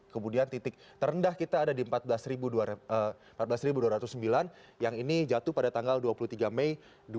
kemudian titik terendah kita ada di empat belas dua ratus sembilan yang ini jatuh pada tanggal dua puluh tiga mei dua ribu dua puluh